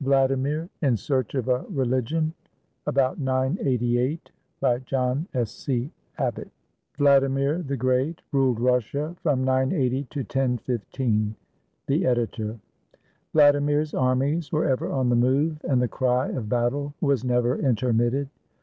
VLADIMIR IN SEARCH OF A RELIGION [About 988] BY JOHN S. C. ABBOTT [VLADraiR THE Great ruled Russia from 980 to 1015. The Editor.] Vladimir's armies were ever on the move, and the cry of battle was never intermitted.